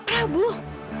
pak prabu ditangkap